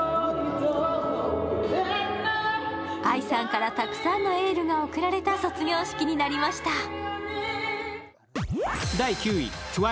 ＡＩさんからたくさんのエールが贈られた卒業式になりました。